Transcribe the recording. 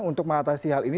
untuk mengatasi hal ini